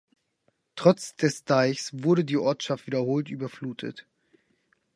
Trotz des Deichs wurde die Ortschaft wiederholt überflutet.